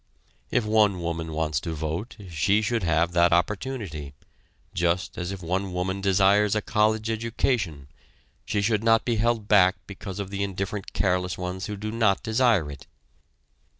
If one woman wants to vote, she should have that opportunity just as if one woman desires a college education, she should not be held back because of the indifferent careless ones who do not desire it.